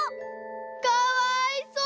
かわいそう！